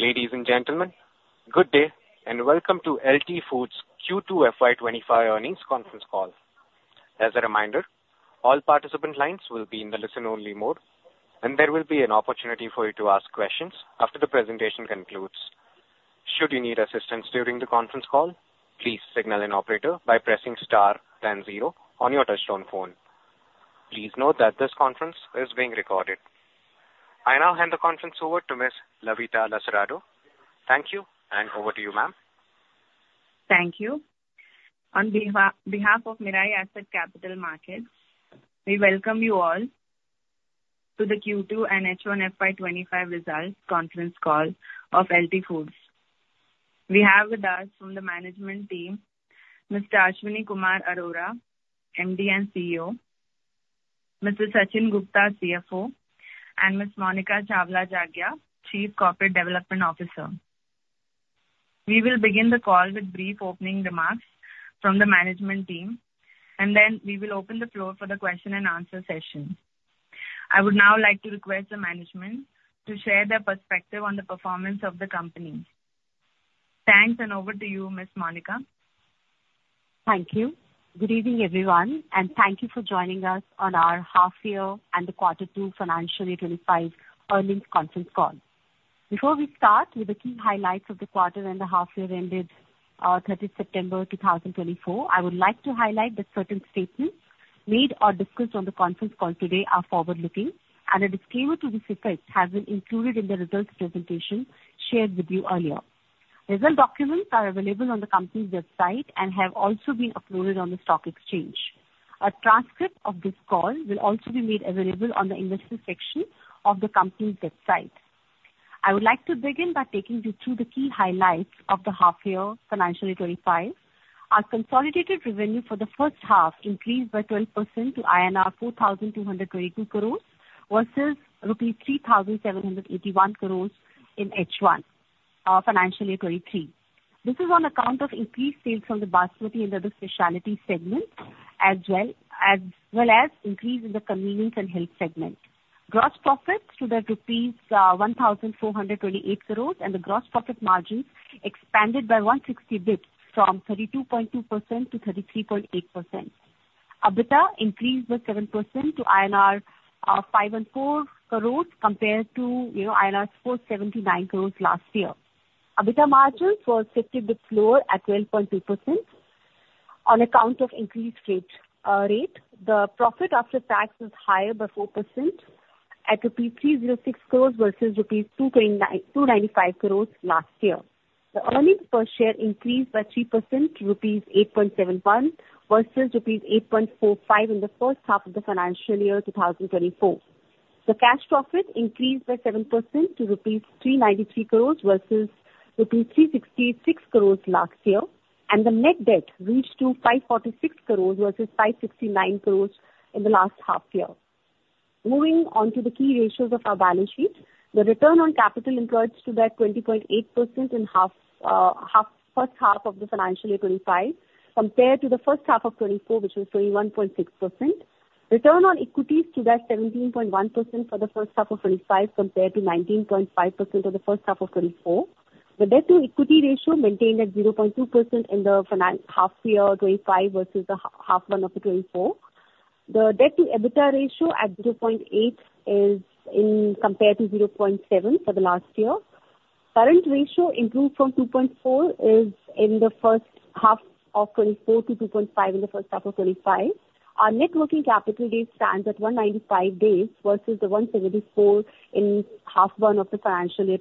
Ladies and gentlemen, good day, and welcome to LT Foods Q2 FY25 Earnings Conference Call. As a reminder, all participant lines will be in the listen-only mode, and there will be an opportunity for you to ask questions after the presentation concludes. Should you need assistance during the conference call, please signal an operator by pressing star then zero on your touchtone phone. Please note that this conference is being recorded. I now hand the conference over to Ms. Lavita Lasrado. Thank you, and over to you, ma'am. Thank you. On behalf of Mirae Asset Capital Markets, we welcome you all to the Q2 and H1 FY25 Results Conference Call of LT Foods. We have with us from the management team, Mr. Ashwini Kumar Arora, MD and CEO, Mr. Sachin Gupta, CFO, and Ms. Monika Chawla Jaggia, Chief Corporate Development Officer. We will begin the call with brief opening remarks from the management team, and then we will open the floor for the question and answer session. I would now like to request the management to share their perspective on the performance of the company. Thanks, and over to you, Ms. Monika. Thank you. Good evening, everyone, and thank you for joining us on our half year and the Quarter Two Financial year '25 Earnings Conference Call. Before we start with the key highlights of the quarter and the half year ended thirtieth September two thousand twenty-four, I would like to highlight that certain statements made or discussed on the conference call today are forward-looking, and a disclaimer to this effect has been included in the results presentation shared with you earlier. Results documents are available on the company's website and have also been uploaded on the stock exchange. A transcript of this call will also be made available on the investor section of the company's website. I would like to begin by taking you through the key highlights of the half year financial year '25. Our consolidated revenue for the first half increased by 12% to INR 4,222 crores, versus rupees 3,781 crores in H1 financial year 2023. This is on account of increased sales from the Basmati and the other specialty segments, as well as increase in the convenience and health segment. Gross profits stood at rupees 1,428 crores, and the gross profit margins expanded by 160 basis points from 32.2% to 33.8%. EBITDA increased by 7% to INR 515 crores compared to, you know, INR 479 crores last year. EBITDA margins were 50 basis points lower at 12.2% on account of increased rate, rate. The profit after tax was higher by 4% at INR 306 crores versus INR 229-295 crores last year. The earnings per share increased by 3% to INR 8.71 versus INR 8.45 in the first half of the financial year 2024. The cash profit increased by 7% to rupees 393 crores versus rupees 366 crores last year, and the net debt reached to 546 crores versus 569 crores in the last half year. Moving on to the key ratios of our balance sheet, the return on capital employed stood at 20.8% in the first half of the financial year 2025, compared to the first half of 2024, which was 21.6%. Return on equity stood at 17.1% for the first half of 2025, compared to 19.5% for the first half of 2024. The debt-to-equity ratio maintained at 0.2% in the financial half year 2025 versus the half one of 2024. The debt-to-EBITDA ratio at 0.8 in the first half of 2025 compared to 0.7 for the last year. Current ratio improved from 2.4 in the first half of 2024 to 2.5 in the first half of 2025. Our net working capital days stands at 195 days versus the 174 in half one of the financial year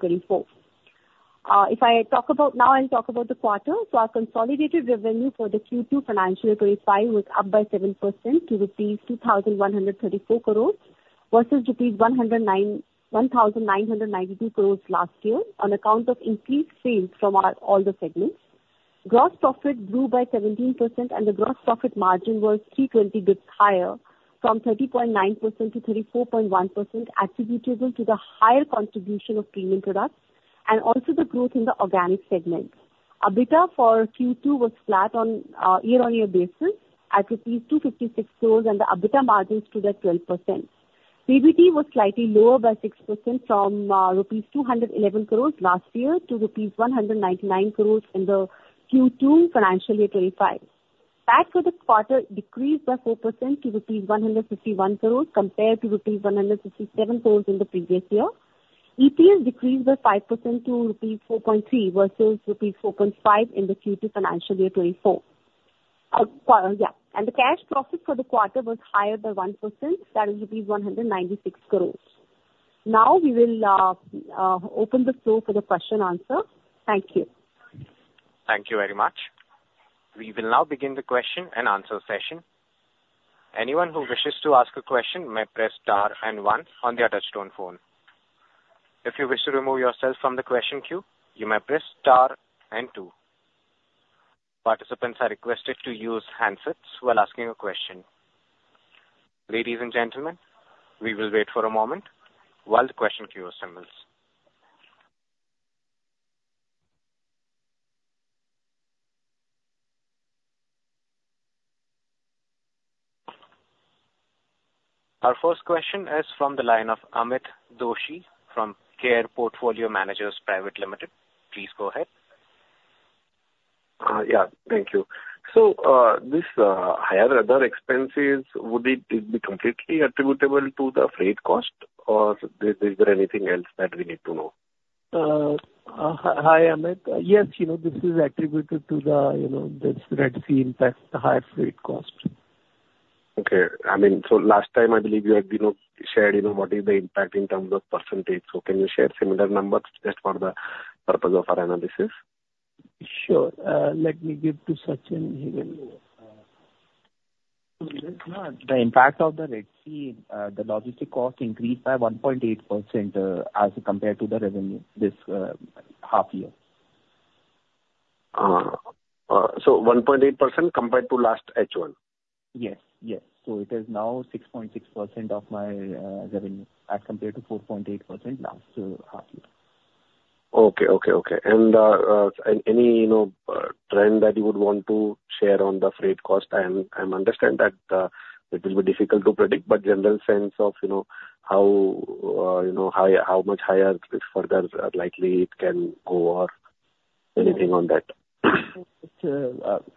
2024. Now, I'll talk about the quarter. Our consolidated revenue for the Q2 FY25 was up by 7% to rupees 2,134 crores versus rupees 1,992 crores last year on account of increased sales from all our segments. Gross profit grew by 17%, and the gross profit margin was 320 basis points higher from 30.9% to 34.1%, attributable to the higher contribution of premium products and also the growth in the organic segment. EBITDA for Q2 was flat on a year-on-year basis at 256 crores, and the EBITDA margins stood at 12%. PBT was slightly lower by 6% from rupees 211 crores last year to rupees 199 crores in the Q2 FY25. Tax for the quarter decreased by 4% to rupees 151 crores compared to rupees 157 crores in the previous year. EPS decreased by 5% to rupees 4.3 versus rupees 4.5 in the Q2 financial year 2024, and the cash profit for the quarter was higher by 1%, that is, 196 crores. Now, we will open the floor for the question answer. Thank you. Thank you very much. We will now begin the question and answer session. Anyone who wishes to ask a question may press star and one on their touchtone phone. If you wish to remove yourself from the question queue, you may press star and two. Participants are requested to use handsets while asking a question. Ladies and gentlemen, we will wait for a moment while the question queue assembles.... Our first question is from the line of Amit Doshi from Care Portfolio Managers Private Limited. Please go ahead. Yeah, thank you. So, this higher other expenses, would it be completely attributable to the freight cost, or is there anything else that we need to know? Hi, Amit. Yes, you know, this is attributed to the, you know, this Red Sea impact, the higher freight cost. Okay. I mean, so last time I believe you had, you know, shared, you know, what is the impact in terms of percentage. So can you share similar numbers just for the purpose of our analysis? Sure. Let me give to Sachin, he will. The impact of the Red Sea, the logistics cost increased by 1.8% as compared to the revenue this half year. So 1.8% compared to last H1? Yes, yes. So it is now 6.6% of my revenue, as compared to 4.8% last half year. Okay. And any, you know, trend that you would want to share on the freight cost? I understand that it will be difficult to predict, but general sense of, you know, how high, how much higher it is likely to go or anything on that?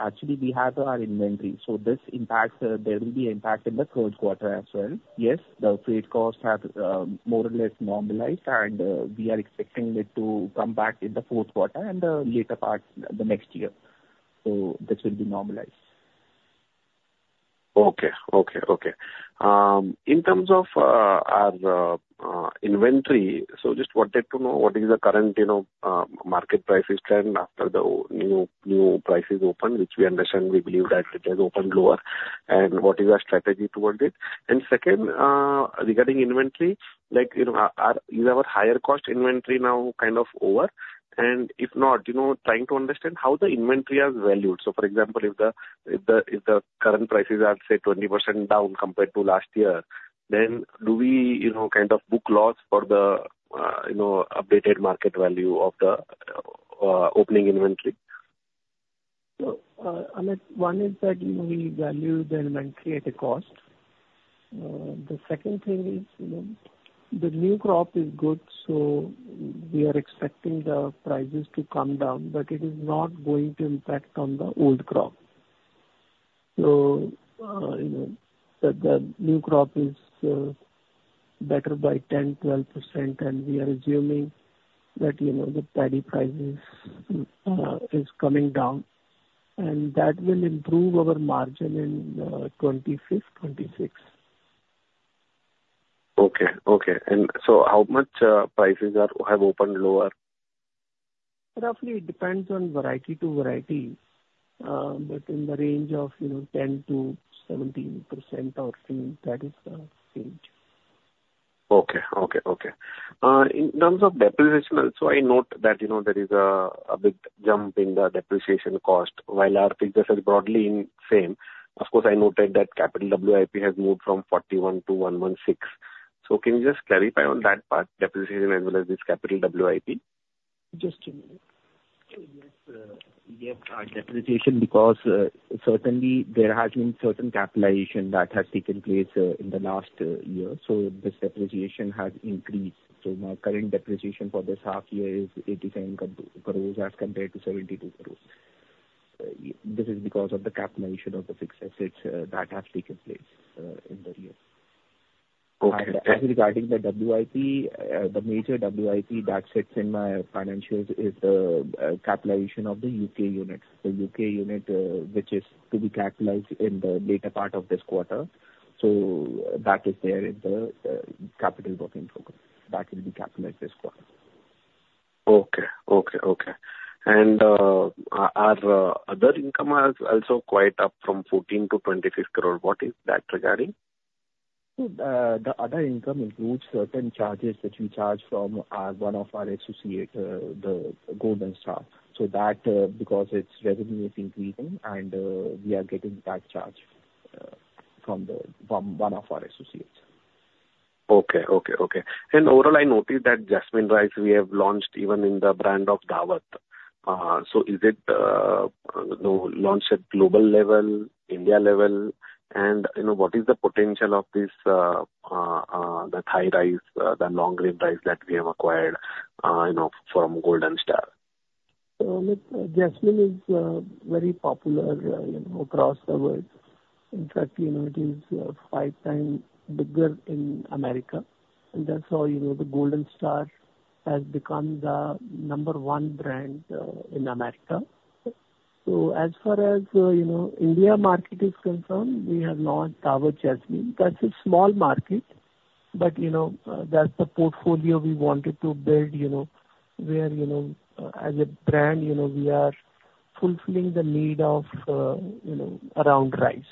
Actually, we have our inventory, so this impact, there will be impact in the third quarter as well. Yes, the freight costs have more or less normalized, and we are expecting it to come back in the fourth quarter and the later part the next year. So this will be normalized. Okay. In terms of our inventory, so just wanted to know what is the current, you know, market prices trend after the new prices open, which we understand, we believe that it has opened lower, and what is our strategy towards it? And second, regarding inventory, like, you know, our. Is our higher cost inventory now kind of over? And if not, you know, trying to understand how the inventory are valued. So for example, if the current prices are, say, 20% down compared to last year, then do we, you know, kind of book loss for the, you know, updated market value of the opening inventory? So, Amit, one is that, you know, we value the inventory at a cost. The second thing is, you know, the new crop is good, so we are expecting the prices to come down, but it is not going to impact on the old crop. So, you know, the new crop is better by 10-12%, and we are assuming that, you know, the paddy prices is coming down, and that will improve our margin in 2025, 2026. Okay, okay. And so how much prices have opened lower? Roughly, it depends on variety to variety, but in the range of, you know, 10%-17% or so, that is the range. Okay, okay, okay. In terms of depreciation also, I note that, you know, there is a big jump in the depreciation cost, while our figures are broadly in the same. Of course, I noted that capital WIP has moved from 41 to 116. So can you just clarify on that part, depreciation as well as this capital WIP? Just a minute. Yes, yes, our depreciation, because certainly there has been certain capitalization that has taken place in the last year, so this depreciation has increased. So our current depreciation for this half year is 87 crores as compared to 72 crores. This is because of the capitalization of the fixed assets that have taken place in the year. Okay. Regarding the WIP, the major WIP that sits in my financials is the capitalization of the U.K. units. The U.K. unit, which is to be capitalized in the later part of this quarter, so that is there in the capital work in progress. That will be capitalized this quarter. Okay. And our other income has also gone up from 14 crore to 25 crore. What is that regarding? The other income includes certain charges that we charge from one of our associate, the Golden Star. So that, because its revenue is increasing, and we are getting that charge from one of our associates. Okay. And overall, I noticed that Jasmine Rice, we have launched even in the brand of Daawat. So is it launched at global level, India level? And, you know, what is the potential of this, the Thai rice, the long grain rice that we have acquired, you know, from Golden Star? So Amit, Jasmine is very popular, you know, across the world. In fact, you know, it is five times bigger in America, and that's how, you know, the Golden Star has become the number one brand in America. So as far as, you know, India market is concerned, we have launched Daawat Jasmine. That's a small market, but, you know, that's the portfolio we wanted to build, you know, where, you know, as a brand, you know, we are fulfilling the need of, you know, aromatic rice.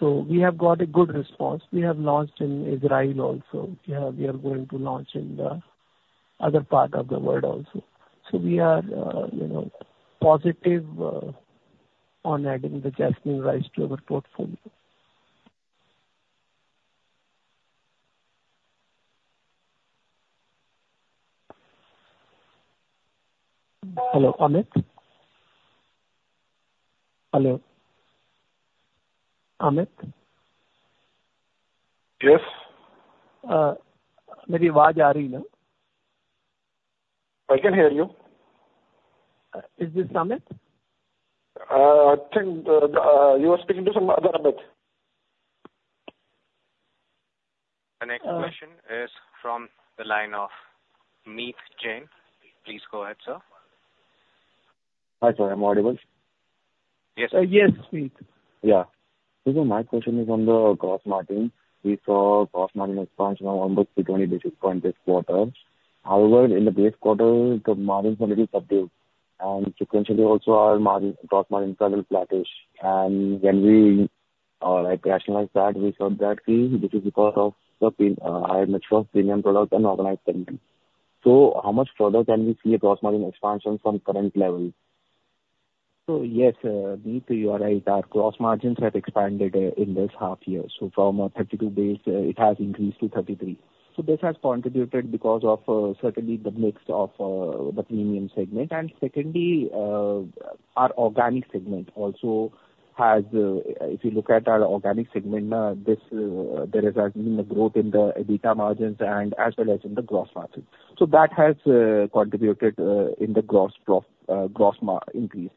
So we have got a good response. We have launched in Israel also. Yeah, we are going to launch in the other part of the world also. So we are, you know, positive on adding the Jasmine rice to our portfolio.... Hello, Amit? Hello, Amit? Yes. My voice is coming, no? I can hear you. Is this Amit? I think you are speaking to some other Amit. The next question is from the line of Meet Jain. Please go ahead, sir. Hi, sir. Am I audible? Yes. Yes, Meet. Yeah. So my question is on the gross margin. We saw gross margin expansion on almost 320 basis points this quarter. However, in the base quarter, the margins were little subdued, and sequentially also our margin-- gross margin stayed a little flattish. And when we like rationalize that, we saw that this is because of the higher mix of premium products and organized segment. So how much further can we see a gross margin expansion from current level? Yes, Meet, you are right. Our gross margins have expanded in this half year. From 32%, it has increased to 33%. This has contributed because of certainly the mix of the premium segment. And secondly, our organic segment also has. If you look at our organic segment, there has been a growth in the EBITDA margins and as well as in the gross margin. So that has contributed in the gross margin increase.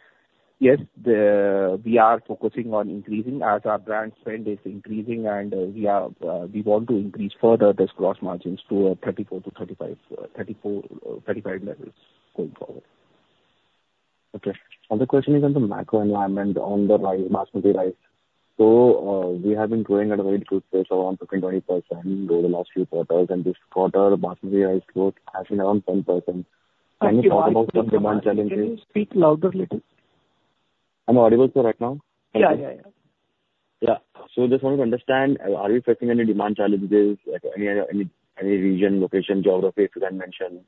Yes, we are focusing on increasing as our brand spend is increasing, and we want to increase further this gross margins to 34%-35% levels going forward. Okay. Another question is on the macro environment, on the rice, basmati rice. So, we have been growing at a very good pace, around 15%-20% over the last few quarters. And this quarter, basmati rice growth has been around 10%. Demand challenges. Can you speak a little louder? I'm audible, sir, right now? Yeah, yeah, yeah. Yeah. So I just want to understand, are we facing any demand challenges, like, any region, location, geography you can mention?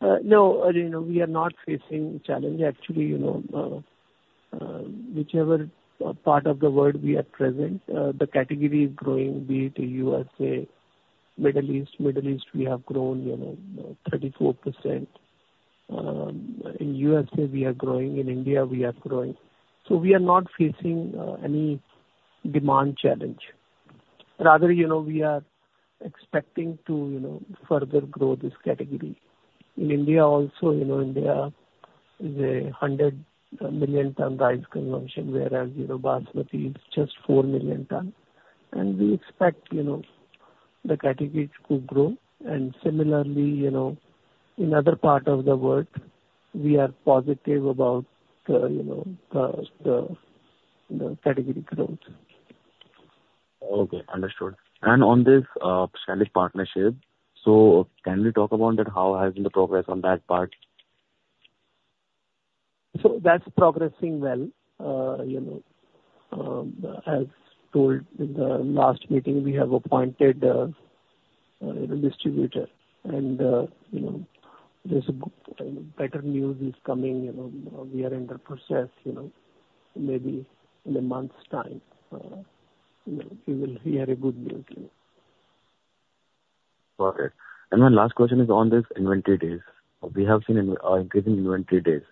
No, you know, we are not facing challenge. Actually, you know, whichever part of the world we are present, the category is growing, be it USA, Middle East. Middle East, we have grown, you know, 34%. In USA, we are growing. In India, we are growing. So we are not facing any demand challenge. Rather, you know, we are expecting to, you know, further grow this category. In India also, you know, India is 100 million ton rice consumption, whereas, you know, basmati is just 4 million ton. And we expect, you know, the category to grow. And similarly, you know, in other part of the world, we are positive about, you know, the category growth. Okay, understood. And on this, Scottish partnership, so can we talk about that? How has been the progress on that part? So that's progressing well. You know, as told in the last meeting, we have appointed a distributor. And, you know, there's better news is coming, you know, we are in the process, you know, maybe in a month's time, you know, we will hear a good news, you know. Perfect, and my last question is on this inventory days. We have seen increasing inventory days.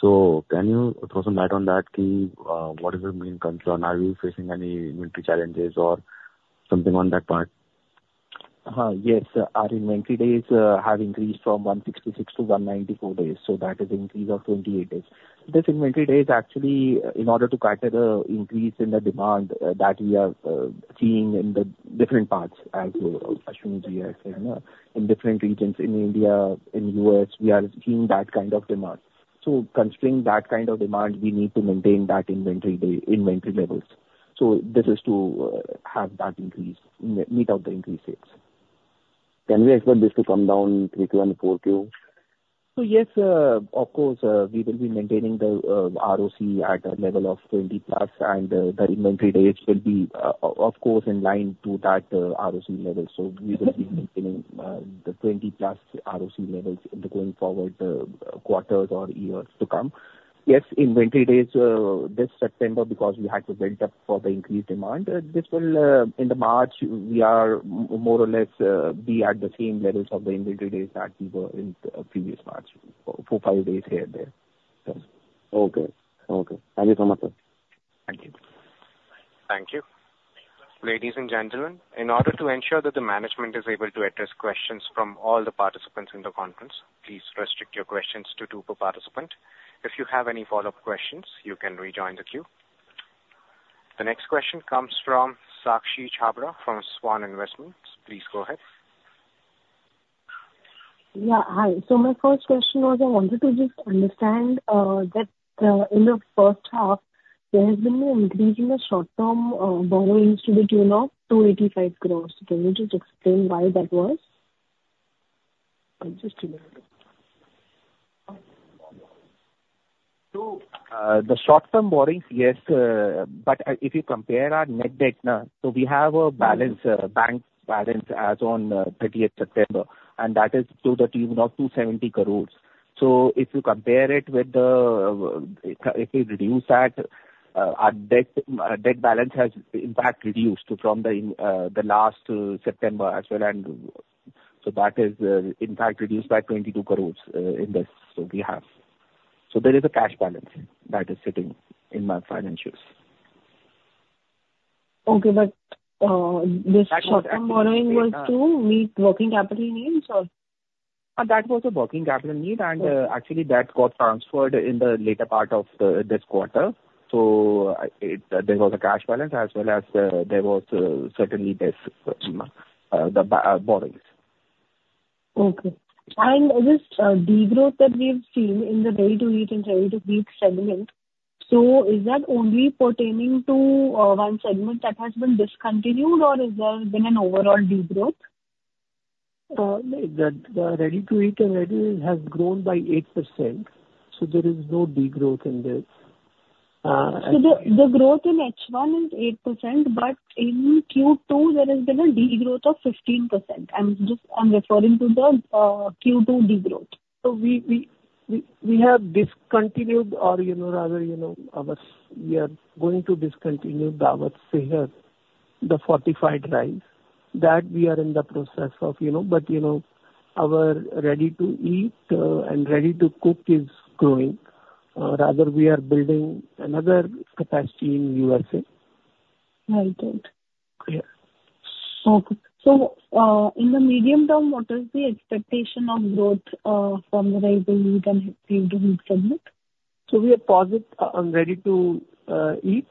So can you throw some light on that? What is the main concern? Are you facing any inventory challenges or something on that part? Yes. Our inventory days have increased from 166 to 194 days, so that is increase of 28 days. This inventory days actually, in order to cater the increase in the demand that we are seeing in the different parts, as Ashwini-ji has said, in different regions in India, in U.S., we are seeing that kind of demand. So considering that kind of demand, we need to maintain that inventory day, inventory levels. So this is to have that increase meet up the increase sales. Can we expect this to come down in three Q and four Q? So yes, of course, we will be maintaining the ROC at a level of twenty plus, and the inventory days will be, of course, in line to that ROC level. So we will be maintaining the twenty plus ROC levels in the going forward quarters or years to come. Yes, inventory days, this September, because we had to build up for the increased demand, this will, in the March, we are more or less be at the same levels of the inventory days that we were in the previous March, four, five days here and there. So... Okay. Okay. Thank you so much, sir. Thank you. Thank you. Ladies and gentlemen, in order to ensure that the management is able to address questions from all the participants in the conference, please restrict your questions to two per participant. If you have any follow-up questions, you can rejoin the queue. The next question comes from Sakshi Chhabra from Swan Investments. Please go ahead. Yeah, hi. So my first question was, I wanted to just understand that in the first half there has been an increase in the short-term borrowings to the tune of 285 crores. Can you just explain why that was? And just to- So, the short-term borrowings, yes, but if you compare our net debt now, so we have a balance, bank balance as on thirtieth September, and that is to the tune of 270 crores. So if you compare it with the, if we reduce that, our debt, debt balance has in fact reduced from the, the last September as well, and so that is, in fact reduced by 22 crores, in this. So we have. So there is a cash balance that is sitting in my financials. Okay, but this short-term borrowing was to meet working capital needs or? That was a working capital need, and actually that got transferred in the later part of this quarter. So, there was a cash balance as well as certainly this, the borrowings. Okay. And this degrowth that we've seen in the ready-to-eat and ready-to-cook segment, so is that only pertaining to one segment that has been discontinued, or has there been an overall degrowth? The ready-to-eat already has grown by 8%, so there is no degrowth in this. So the growth in H1 is 8%, but in Q2, there has been a degrowth of 15%. I'm just referring to the Q2 degrowth. So we have discontinued or, you know, rather, you know, our... We are going to discontinue the Daawat Sehat, the fortified rice. That we are in the process of, you know, but, you know, our ready-to-eat and ready-to-cook is growing, rather we are building another capacity in USA. Right. Good. Yeah. Okay. So, in the medium term, what is the expectation of growth from the ready-to-eat and ready-to-cook segment? So we are positive on ready-to-eat.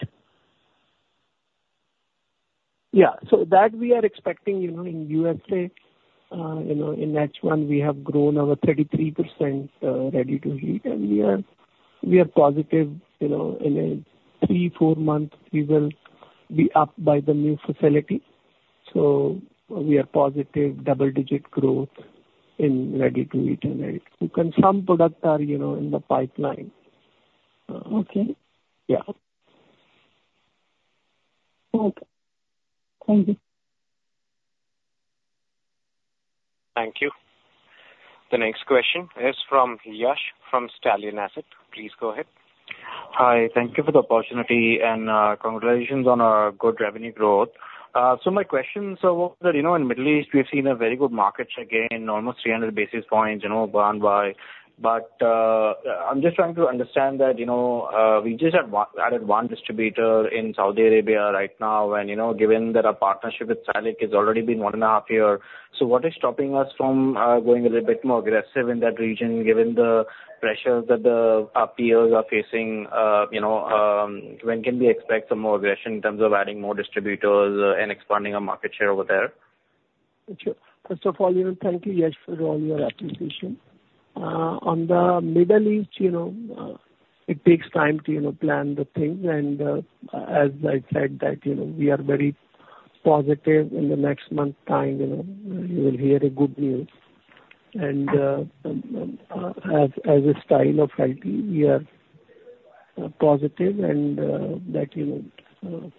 Yeah. So that we are expecting, you know, in USA, you know, in H1 we have grown our 33%, ready-to-eat, and we are, we are positive, you know, in a three-four months we will be up by the new facility. So we are positive double-digit growth in ready-to-eat, and some products are, you know, in the pipeline. Okay. Yeah. Okay. Thank you. Thank you. The next question is from Yash from Stallion Asset. Please go ahead. Hi, thank you for the opportunity and, congratulations on a good revenue growth. So my question, so that, you know, in Middle East, we have seen a very good market share gain, almost three hundred basis points, you know, grown by. But, I'm just trying to understand that, you know, we just have added one distributor in Saudi Arabia right now, and, you know, given that our partnership with Salic has already been one and a half year, so what is stopping us from, going a little bit more aggressive in that region, given the pressures that the, our peers are facing, you know, when can we expect some more aggression in terms of adding more distributors, and expanding our market share over there? Sure. First of all, you know, thank you, Yash, for all your appreciation. On the Middle East, you know, it takes time to, you know, plan the things, and, as I said, that, you know, we are very positive in the next month time, you know, you will hear a good news. And, as LT, we are positive and, that, you know,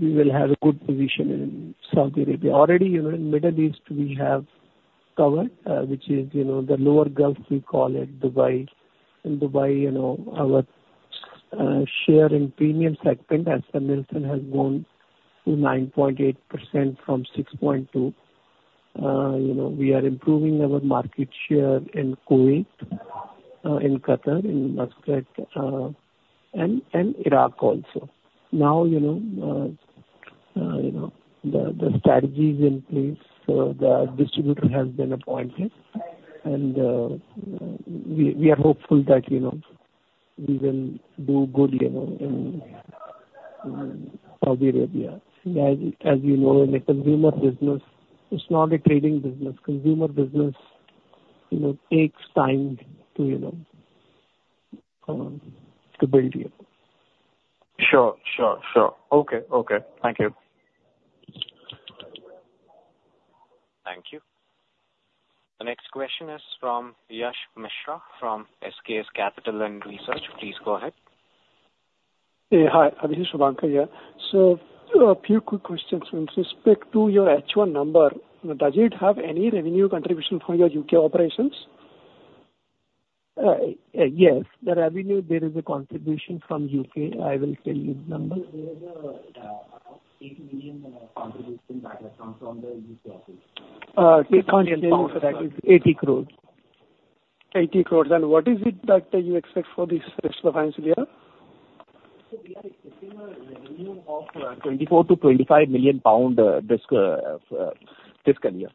we will have a good position in Saudi Arabia. Already, you know, in Middle East, we have covered, which is, you know, the lower Gulf, we call it, Dubai. In Dubai, you know, our share in premium segment as per Nielsen has grown to 9.8% from 6.2%. You know, we are improving our market share in Kuwait, in Qatar, in Muscat, and Iraq also. Now, you know, you know, the strategy is in place, so the distributor has been appointed, and we are hopeful that, you know, we will do good, you know, in Saudi Arabia. As you know, in a consumer business, it's not a trading business. Consumer business, you know, takes time to, you know, to build, yeah. Sure, sure, sure. Okay. Okay. Thank you. Thank you. The next question is from Yash Mishra, from SKS Capital and Research. Please go ahead. Yeah, hi, this is Shubhank here. So, a few quick questions. With respect to your H1 number, does it have any revenue contribution from your UK operations? Yes. The revenue, there is a contribution from UK. I will tell you the number. There is 80 million contribution that has come from the U.K. office. 80 crore. 80 crore. Then what is it that you expect for the rest of the financial year? So we are expecting a revenue of 24-25 million GBP this current year.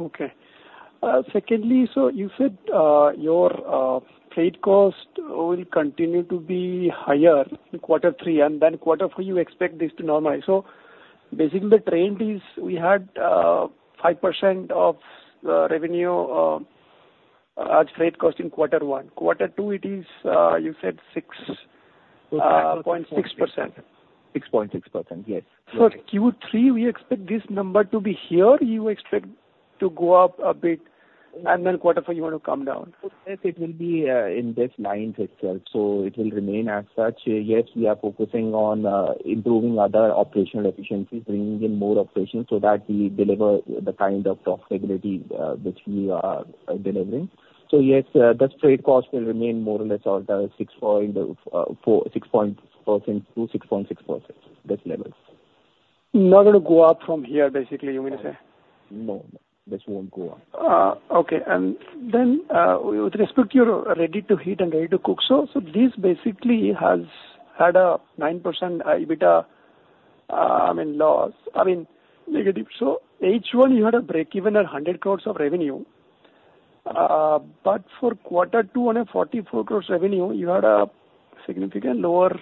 Okay. Secondly, so you said your freight cost will continue to be higher in quarter three, and then quarter four, you expect this to normalize. So basically the trend is we had 5% of revenue as freight cost in quarter one. Quarter two, it is you said 6.6%. 6.6%, yes. For Q3, we expect this number to be here, you expect to go up a bit, and then quarter four, you want to come down? Yes, it will be in these lines itself. So it will remain as such. Yes, we are focusing on improving other operational efficiencies, bringing in more operations, so that we deliver the kind of profitability which we are delivering. So yes, the freight cost will remain more or less around the 6.4%-6.6%, this level. Not going to go up from here, basically, you mean to say? No, this won't go up. Okay. Then, with respect to your ready-to-eat and ready-to-cook, so this basically has had a 9% high EBITDA, I mean, loss, I mean, negative. So H1, you had a breakeven at 100 crores of revenue. But for quarter two on a 44 crores revenue, you had a significantly lower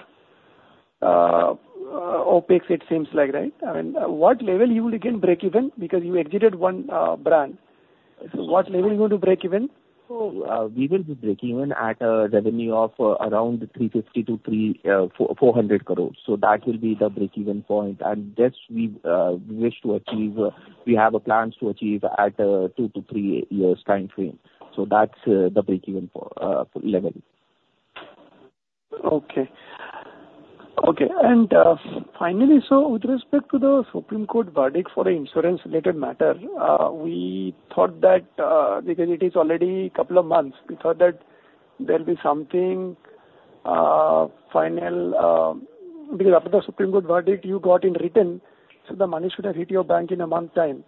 OpEx, it seems like, right? I mean, what level will you again breakeven because you exited one brand. So what level are you going to breakeven? We will break even at a revenue of around 340-400 crores. So that will be the break even point. And that's what we wish to achieve. We have plans to achieve in a two- to three-year time frame. So that's the break even level. Okay. Okay, and finally, so with respect to the Supreme Court verdict for the insurance related matter, we thought that because it is already a couple of months, we thought that there'll be something final because after the Supreme Court verdict, you got it in writing, so the money should have hit your bank in a month's time.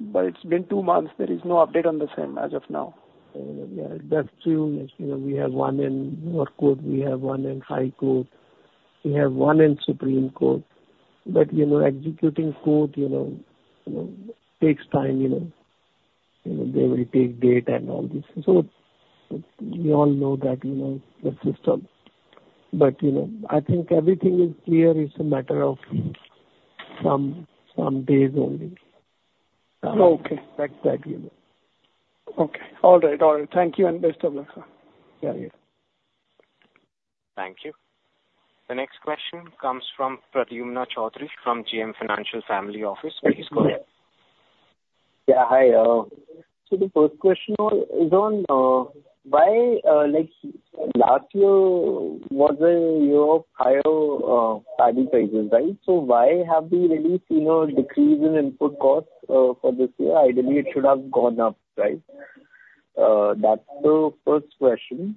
But it's been two months. There is no update on the same as of now. Yeah, that's true. You know, we have one in lower court, we have one in high court, we have one in Supreme Court. But, you know, executing court takes time, you know. You know, they will take date and all this. So we all know that, you know, the system. But, you know, I think everything is clear. It's a matter of some days only. Okay. That, you know. Okay. All right. All right. Thank you, and best of luck. Yeah, yeah. Thank you. The next question comes from Pradyumna Choudhary, from JM Financial Family Office. Please go ahead. Yeah, hi. So the first question is on why, like, last year was a year of higher paddy prices, right? So why have we really seen a decrease in input costs for this year? Ideally, it should have gone up, right? Second is-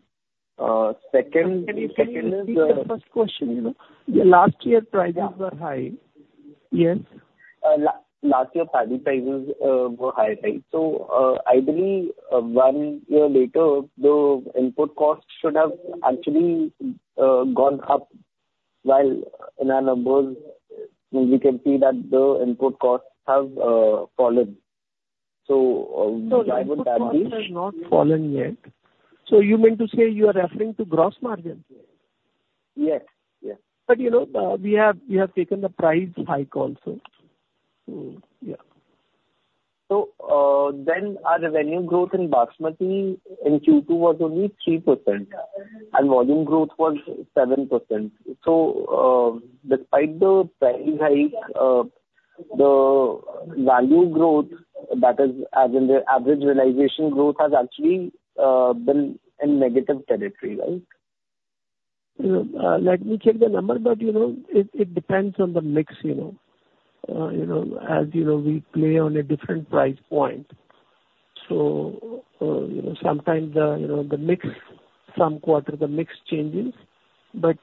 Can you please repeat the first question? You know, last year prices were high. Yes. Last year paddy prices were high, right? So, ideally, one year later, the input costs should have actually gone up, while in our numbers we can see that the input costs have fallen. So, why would that be? Has not fallen yet. So you mean to say you are referring to gross margin? Yes. Yes. But, you know, we have taken the price hike also. So yeah. So, then our revenue growth in Basmati in Q2 was only 3%, and volume growth was 7%. So, despite the price hike, the value growth, that is, as in the average realization growth, has actually been in negative territory, right? You know, let me check the number, but, you know, it depends on the mix, you know. You know, as you know, we play on a different price point. So, you know, sometimes the mix, you know, some quarter the mix changes. But,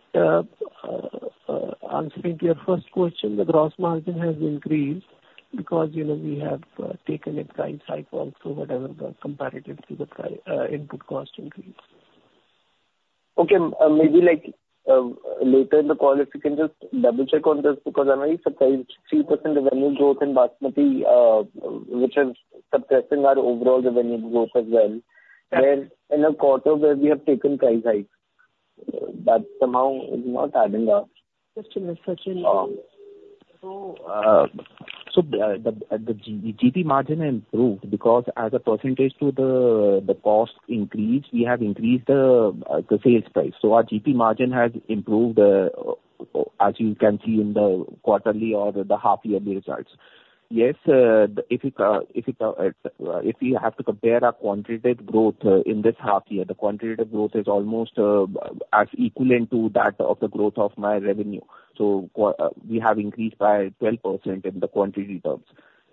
answering to your first question, the gross margin has increased because, you know, we have taken a price hike also, whatever the comparatively the input cost increase. Okay, maybe like, later in the call, if you can just double check on this, because I'm very surprised, 3% revenue growth in Basmati, which is suppressing our overall revenue growth as well, where in a quarter where we have taken price hikes, that somehow is not adding up. Just a minute, Sachin. The GP margin improved because as a percentage to the cost increase, we have increased the sales price. So our GP margin has improved as you can see in the quarterly or the half year results. Yes, if you have to compare our quantitative growth in this half year, the quantitative growth is almost as equivalent to that of the growth of my revenue. So we have increased by 12% in the quantity terms.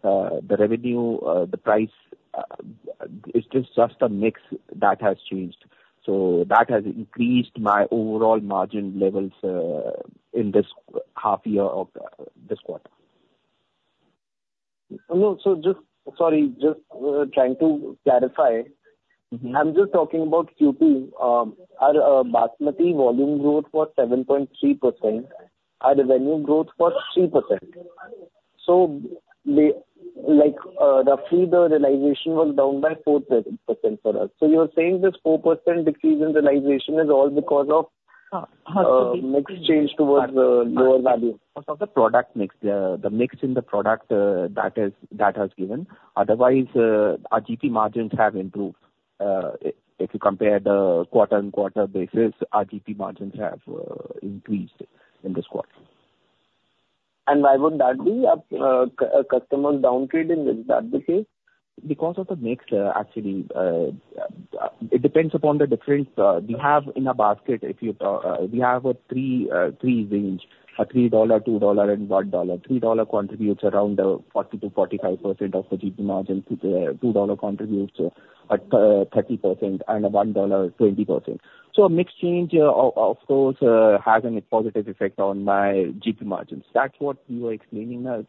The revenue, the price, it's just a mix that has changed. So that has increased my overall margin levels in this half year of this quarter. No, so just... Sorry, just, trying to clarify. Mm-hmm. I'm just talking about Q2. Our Basmati volume growth was 7.3%, our revenue growth was 3%. So the, like, roughly the realization was down by 4% for us. So you're saying this 4% decrease in realization is all because of- Uh, uh- mix change towards lower value? Because of the product mix. The mix in the product that has given. Otherwise, our GP margins have improved. If you compare the quarter and quarter basis, our GP margins have increased in this quarter. And why would that be, customer downgrade in that case? Because of the mix, actually, it depends upon the difference we have in a basket. If you, we have a three range, a $3, $2, and $1. $3 contributes around 40%-45% of the GP margin. To the $2 contributes at 30%, and $1, 20%. So a mixed change, of course, has a positive effect on my GP margins. That's what we were explaining, the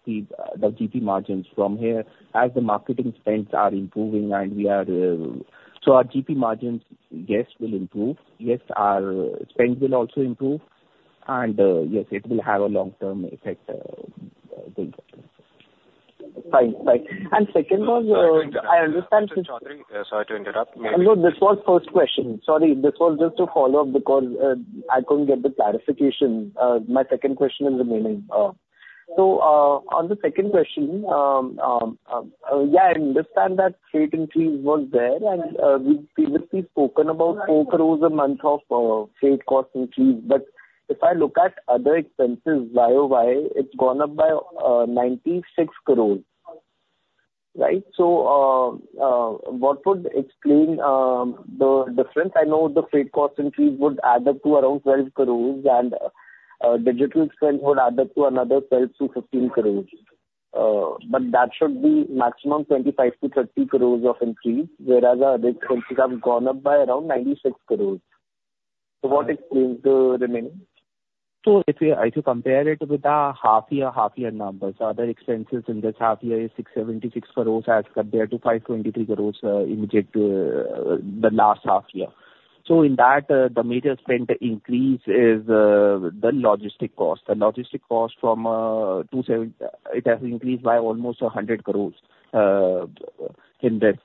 GP margins from here as the marketing spends are improving and we are. So our GP margins, yes, will improve. Yes, our spends will also improve, and yes, it will have a long-term effect. Fine. Fine. And second was, I understand- Sorry to interrupt you. No, this was first question. Sorry, this was just a follow-up because I couldn't get the clarification. My second question is remaining. So on the second question, yeah, I understand that freight increase was there, and we've previously spoken about 4 crores a month of freight cost increase. But if I look at other expenses, YOY, it's gone up by 96 crores, right? So what would explain the difference? I know the freight cost increase would add up to around 12 crores and digital spend would add up to another 12-15 crores. But that should be maximum 25-30 crores of increase, whereas other expenses have gone up by around 96 crores. So what explains the remaining? So if you compare it with the half year numbers, other expenses in this half year is 676 crores as compared to 523 crores in the last half year. So in that, the major spend increase is the logistic cost. The logistic cost from 27 it has increased by almost 100 crores in this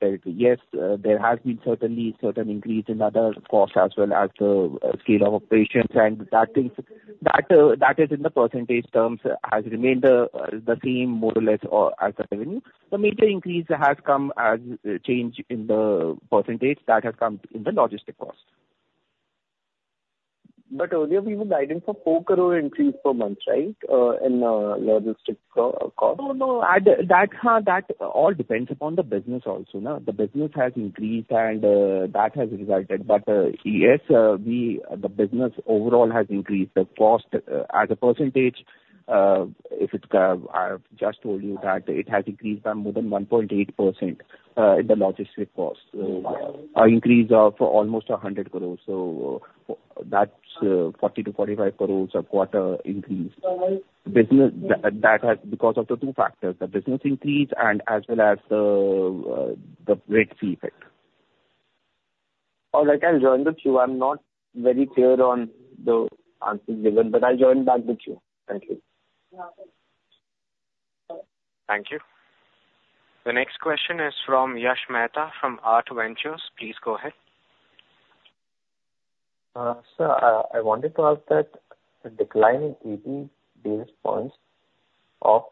territory. Yes, there has been a certain increase in other costs as well as the scale of operations, and that is in the percentage terms has remained the same, more or less, or as the revenue. The major increase has come as a change in the percentage that has come in the logistic cost. But earlier we were guiding for 4 crore increase per month, right? In logistics cost. No, no, that's how that all depends upon the business also, no? The business has increased and, that has resulted. But, yes, the business overall has increased. The cost, as a percentage, if it's, I've just told you that it has increased by more than 1.8%, in the logistics cost. An increase of almost 100 crores, so that's, 40-45 crores a quarter increase. Uh- The business that has because of the two factors: the business increase and as well as the rate fee effect. All right, I'll join the queue. I'm not very clear on the answers given, but I'll join back the queue. Thank you. Thank you. The next question is from Yash Mehta, from R2 Ventures. Please go ahead. Sir, I wanted to ask that the decline in EBITDA basis points of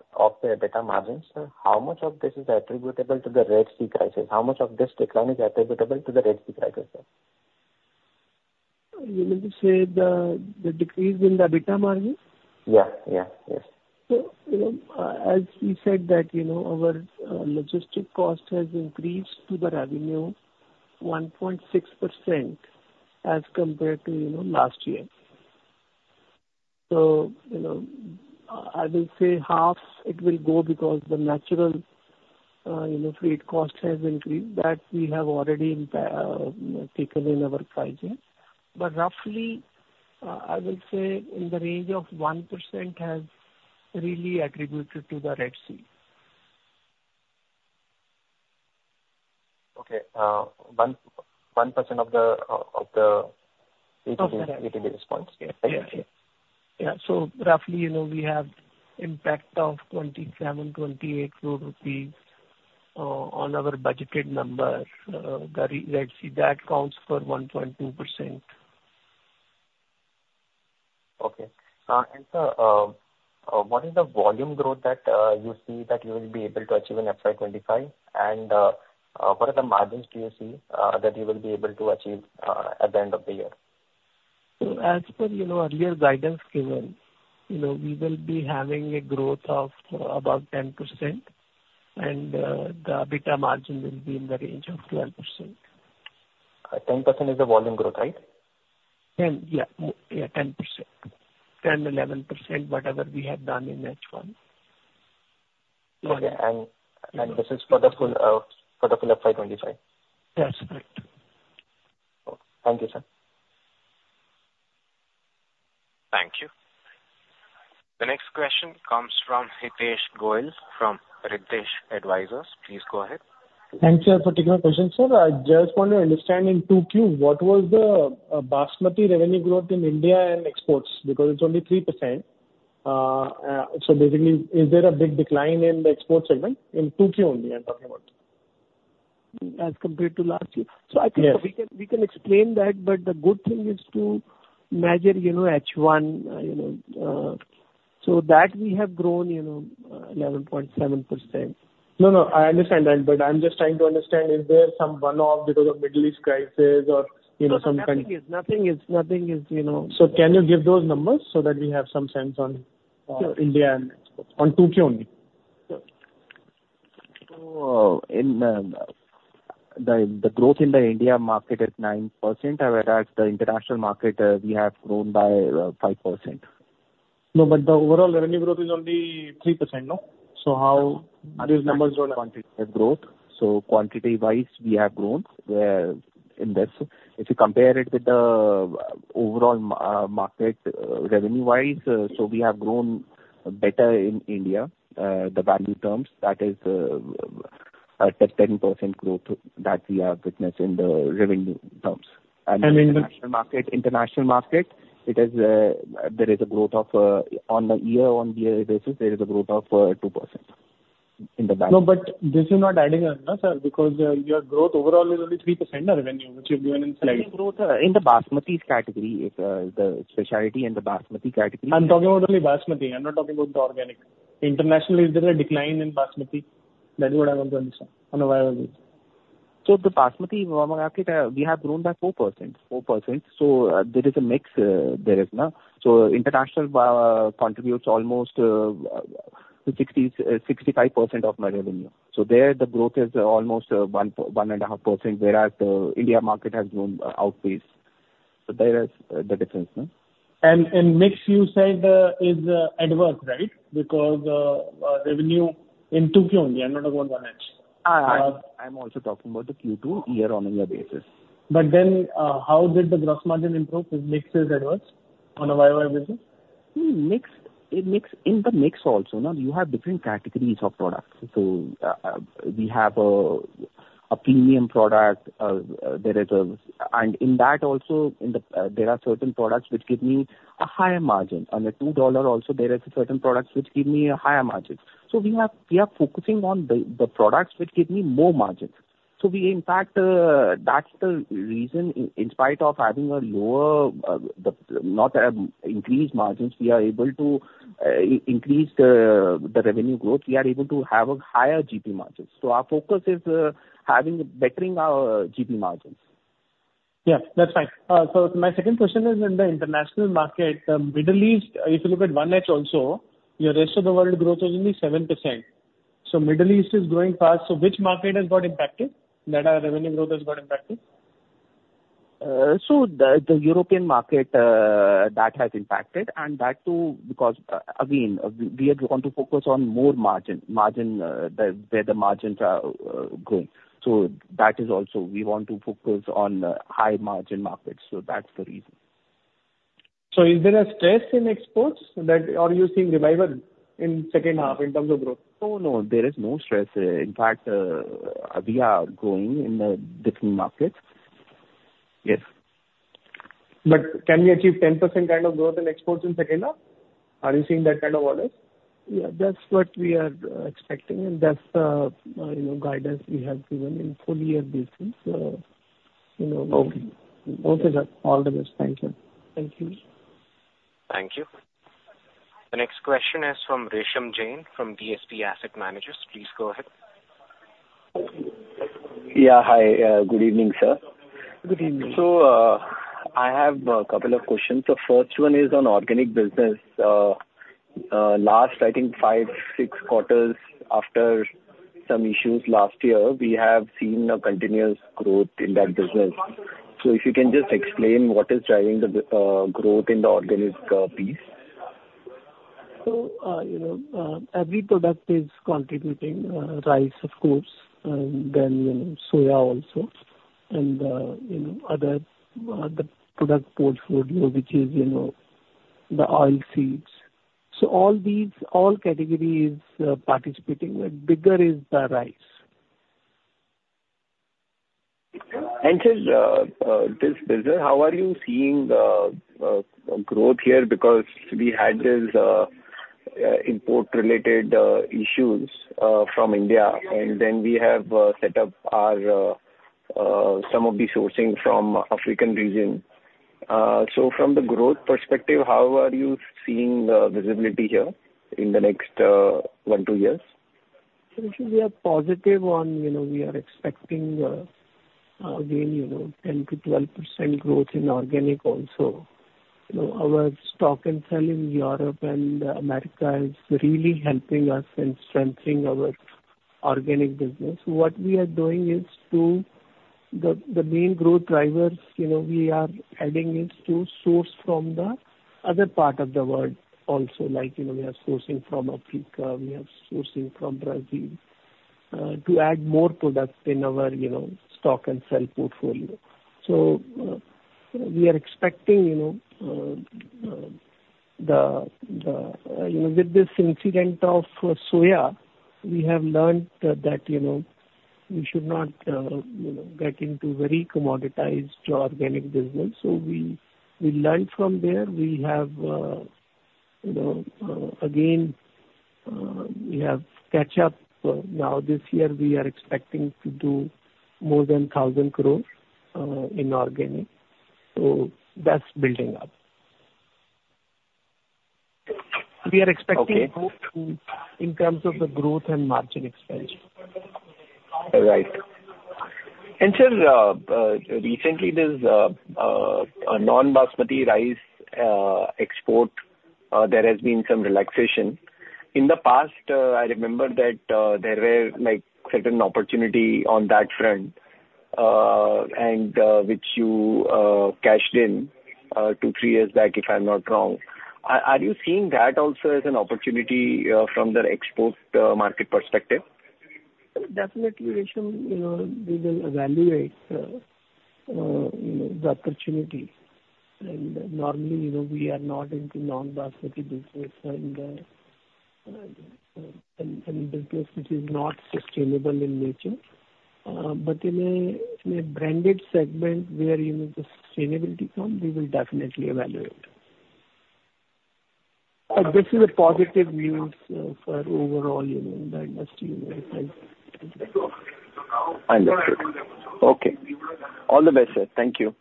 the EBITDA margins, sir, how much of this is attributable to the Red Sea crisis? You mean to say the decrease in the EBITDA margin? Yeah. Yeah. Yes. So, you know, as we said, that, you know, our logistics cost has increased to the revenue 1.6% as compared to, you know, last year. You know, I will say half it will go because the natural, you know, freight cost has increased, that we have already taken in our pricing. But roughly, I will say in the range of 1% has really attributed to the Red Sea. Okay, 1% of the Of the Red Sea. Yeah. Thank you. Yeah. So roughly, you know, we have impact of 27 crore-28 crore rupees on our budgeted numbers. The Red Sea, that counts for 1.2%. Okay. And what is the volume growth that you see that you will be able to achieve in FY 2025? And what are the margins do you see that you will be able to achieve at the end of the year? As per, you know, our earlier guidance given, you know, we will be having a growth of about 10%, and the EBITDA margin will be in the range of 12%. 10% is the volume growth, right? 10%, yeah. Yeah, 10%. 10-11%, whatever we have done in H1. Okay, and this is for the full FY twenty-five? That's correct. Okay. Thank you, sir. Thank you. The next question comes from Hitesh Goel, from Ritesh Advisers. Please go ahead. Thanks, sir, for taking my question, sir. I just want to understand in 2Q, what was the basmati revenue growth in India and exports, because it's only 3%. So basically, is there a big decline in the export segment? In 2Q only I'm talking about. As compared to last year? Yes. So I think we can explain that, but the good thing is to measure, you know, H1, you know, so that we have grown, you know, 11.7%. No, no, I understand that, but I'm just trying to understand, is there some one-off because of Middle East crisis or, you know, some kind- Nothing is, you know- Can you give those numbers so that we have some sense on? Sure. India and exports, on 2Q only? So, in the growth in the India market is 9%, whereas the international market, we have grown by 5%. No, but the overall revenue growth is only 3%, no? So how are those numbers on quantity and growth? So quantity-wise, we have grown in this. If you compare it with the overall market revenue-wise, so we have grown better in India. The value terms, that is, at 10% growth that we have witnessed in the revenue terms. And in the- In the international market, there is a growth of 2% on a year-on-year basis in the brand. No, but this is not adding up, sir, because your growth overall is only 3% of revenue, which you've given in slide. In the Basmati category, the specialty in the Basmati category- I'm talking about only Basmati. I'm not talking about the organic. Internationally, is there a decline in Basmati? That is what I want to understand on a Y-o-Y basis. So the basmati market, we have grown by 4%. 4%. So, there is a mix, there is now. So international contributes almost 65% of my revenue. So there the growth is almost 1.5%, whereas the India market has grown outpaced. So there is the difference. And mix you said is adverse, right? Because revenue in two only, I'm not about one edge. I'm also talking about the Q2 year-on-year basis. But then, how did the gross margin improve if mix is adverse on a Y-o-Y basis? In the mix also now you have different categories of products. So, we have a premium product. And in that also, there are certain products which give me a higher margin. Under $2 also there are certain products which give me a higher margin. So we are focusing on the products which give me more margins. So, in fact, that's the reason in spite of having lower, not increased margins, we are able to increase the revenue growth. We are able to have a higher GP margins. So our focus is bettering our GP margins. Yeah, that's fine. So my second question is, in the international market, Middle East, if you look at Oman also, your rest of the world growth is only 7%. So Middle East is growing fast, so which market has got impacted? That our revenue growth has got impacted? So the European market that has impacted, and that too, because again we are going to focus on more margin where the margins are growing. So that is also we want to focus on high margin markets, so that's the reason. So is there a stress in exports that... Are you seeing revival in second half in terms of growth? No, no, there is no stress. In fact, we are growing in the different markets. Yes. But can we achieve 10% kind of growth in exports in second half? Are you seeing that kind of orders? Yeah, that's what we are expecting, and that's, you know, guidance we have given in full year basis, you know. Okay. Okay, sir. All the best. Thank you. Thank you. Thank you. The next question is from Resham Jain, from DSP Asset Managers. Please go ahead. Yeah, hi. Good evening, sir. Good evening. So, I have a couple of questions. The first one is on organic business. Last, I think five, six quarters after some issues last year, we have seen a continuous growth in that business. So if you can just explain what is driving the growth in the organic piece. So, you know, every product is contributing, rice, of course, and then, you know, soya also, and, you know, other product portfolio, which is, you know, the oilseeds. So all these, all categories, participating, but bigger is the rice. And this business, how are you seeing the growth here? Because we had this import-related issues from India, and then we have set up our some of the sourcing from African region. So from the growth perspective, how are you seeing the visibility here in the next one, two years? We are positive on, you know, we are expecting again, you know, 10%-12% growth in organic also. You know, our stock and sell in Europe and America is really helping us in strengthening our organic business. What we are doing is to the main growth drivers, you know, we are adding it to source from the other part of the world also, like, you know, we are sourcing from Africa, we are sourcing from Brazil to add more products in our, you know, stock and sell portfolio. So, we are expecting, you know, with this incident of soybean, we have learned that, you know, we should not, you know, get into very commoditized organic business. So we learned from there. We have, you know, again, we have catch up. Now, this year, we are expecting to do more than 1,000 crore in organic. So that's building up. We are expecting- Okay. In terms of the growth and margin expansion? Right. And sir, recently there's a non-basmati rice export. There has been some relaxation. In the past, I remember that there were, like, certain opportunity on that front, and which you cashed in two, three years back, if I'm not wrong. Are you seeing that also as an opportunity from the export market perspective? Definitely, Resham, you know, we will evaluate, you know, the opportunity. And normally, you know, we are not into non-Basmati business and business which is not sustainable in nature. But in a branded segment where, you know, the sustainability come, we will definitely evaluate. But this is positive news for overall, you know, the industry, you know, thank you. I understand. Okay. All the best, sir. Thank you.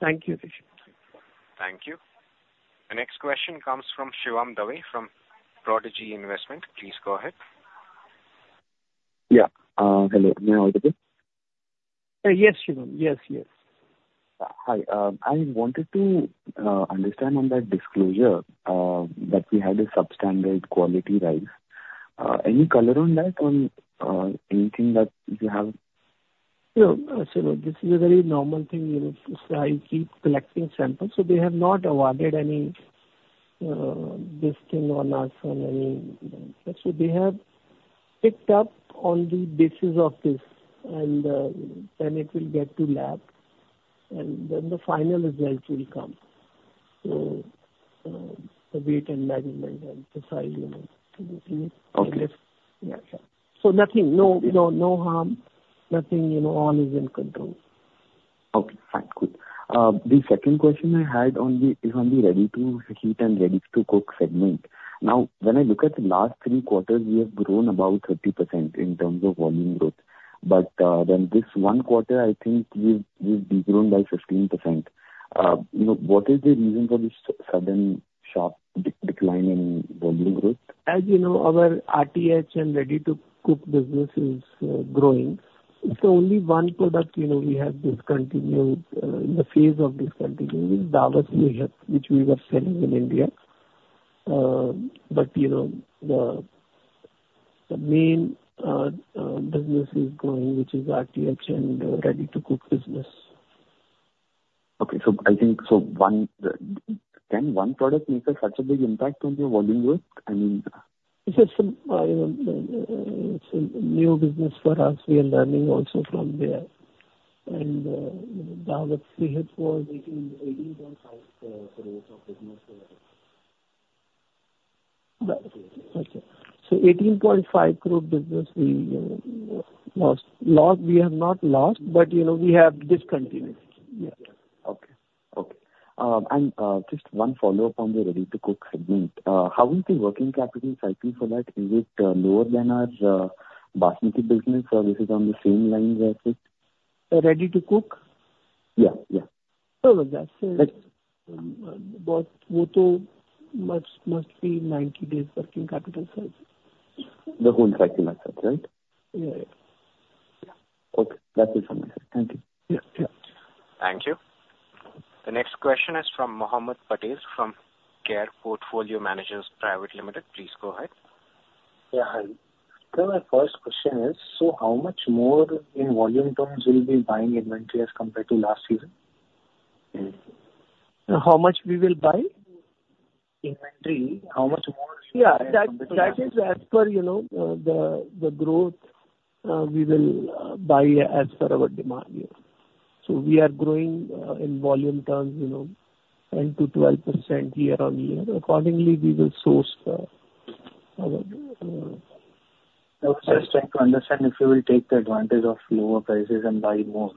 Thank you, Resham. Thank you. The next question comes from Shivam Dave, from Prodigy Investment. Please go ahead. Yeah. Hello, may I talk to you? Yes, Shivam. Yes, yes. Hi. I wanted to understand on that disclosure that we had a substandard quality rice. Any color on that, anything that you have? No, so this is a very normal thing, you know. So I keep collecting samples, so they have not awarded any listing to us on any. So they have picked up on the basis of this, and then it will get to the lab, and then the final result will come. So, the weight and measurement and precision, you know, everything. Okay. Yes, sure. So nothing. No, no, no harm, nothing, you know, all is in control. Okay. Fine. Good. The second question I had on the is on the ready to heat and ready to cook segment. Now, when I look at the last three quarters, we have grown about 30% in terms of volume growth. But then this one quarter, I think we've de-grown by 15%. You know, what is the reason for this sudden sharp decline in volume growth? As you know, our RTE and ready-to-cook business is growing. So only one product, you know, we have discontinued, in the phase of discontinuing is Daawat Sehat, which we were selling in India. But, you know, the main business is growing, which is RTE and ready-to-cook business. Okay, so I think... So one, can one product make such a big impact on the volume growth? I mean- It's just, it's a new business for us. We are learning also from there. And, Daawat was- INR 18 crores, INR 18.5 crores of business. Right. Okay. So 18.5 crore business we lost. Lost, we have not lost, but, you know, we have discontinued. Yeah. Just one follow-up on the ready-to-cook segment. How is the working capital cycle for that? Is it lower than our basmati business, or this is on the same lines as it? Ready to cook? Yeah, yeah. So that's. Like- But we must be 90 days working capital cycle. The whole cycle myself, right? Yeah, yeah. Yeah. Okay, that is all. Thank you. Yeah, yeah. Thank you. The next question is from Mohammed Patel, from Care Portfolio Managers Private Limited. Please go ahead. Yeah, hi. So my first question is, so how much more in volume terms you'll be buying inventory as compared to last season? How much we will buy? Inventory. How much more? Yeah, that is as per, you know, the growth. We will buy as per our demand here. So we are growing in volume terms, you know, 10%-12% year on year. Accordingly, we will source the- I was just trying to understand if you will take the advantage of lower prices and buy more?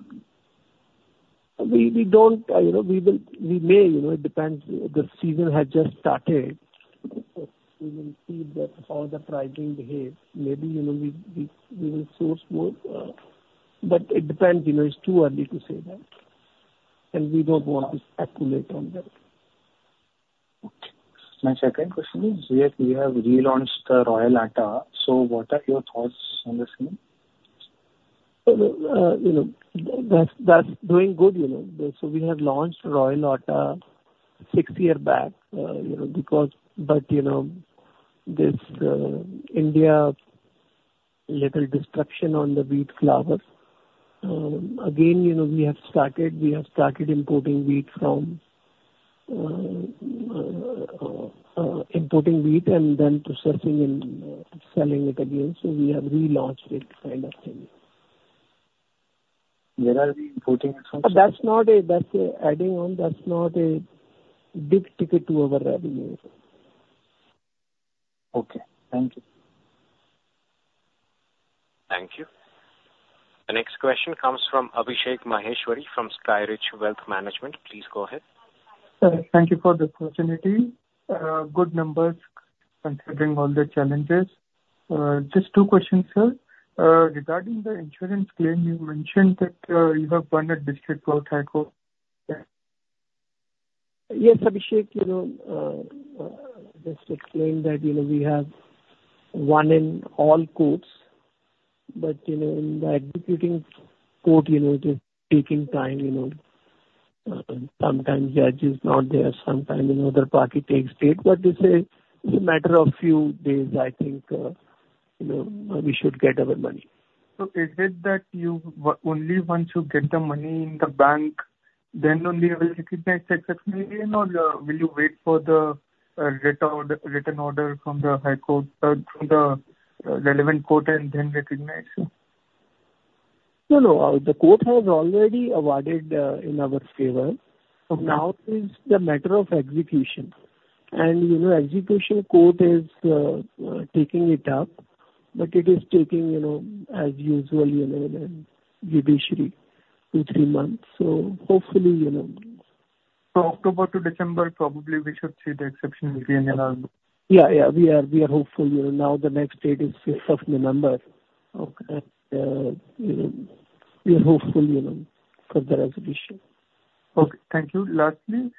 We don't, you know, we will. We may, you know, it depends. The season has just started. We will see that how the pricing behaves. Maybe, you know, we will source more, but it depends, you know, it's too early to say that, and we don't want to speculate on that. Okay. My second question is, we have, we have relaunched the Royal Atta. So what are your thoughts on the same? You know, that's doing good, you know. So we have launched Royal Atta six years back, you know, because but, you know, this in India little disruption on the wheat flour. Again, you know, we have started importing wheat and then processing and selling it again. So we have relaunched it kind of thing. Where are we importing it from? That's not. That's adding on. That's not a big ticket to our revenue. Okay, thank you. Thank you. The next question comes from Abhishek Maheshwari, from Skyrich Wealth Management. Please go ahead. Thank you for the opportunity. Good numbers, considering all the challenges. Just two questions, sir. Regarding the insurance claim, you mentioned that you have partnered with Tradeclove Tyco.... Yes, Abhishek, you know, just explain that, you know, we have won in all courts, but, you know, in the executing court, you know, it is taking time, you know. Sometimes judge is not there, sometimes, you know, the other party takes date, but it's a matter of few days. I think, you know, we should get our money. So is it that you will only once you get the money in the bank, then only you will recognize successfully, you know? Will you wait for the return order from the high court, from the relevant court and then recognize it? No, no. The court has already awarded in our favor. Okay. Now is the matter of execution. And, you know, execution court is taking it up, but it is taking, you know, as usual, you know, in judiciary, two, three months. So hopefully, you know. So October to December, probably we should see the exceptional gain in our- Yeah, yeah. We are hopeful. You know, now the next date is fifth of November. Okay. you know, we are hopeful, you know, for the resolution. Okay. Thank you. Lastly,